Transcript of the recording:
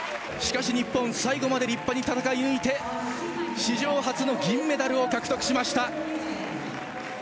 しかし日本最後まで立派に戦い抜いて史上初の銀メダルを獲得しました。